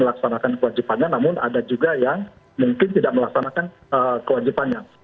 laksanakan kewajibannya namun ada juga yang mungkin tidak melaksanakan kewajibannya